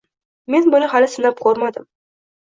Men buni hali sinab ko'rmadim